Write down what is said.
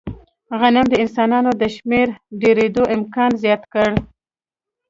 غنم د انسانانو د شمېر ډېرېدو امکان زیات کړ.